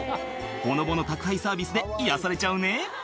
ほのぼの宅配サービスで癒やされちゃうね